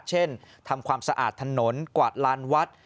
เช่นทำความสะอาดถนนกวาดลานวัด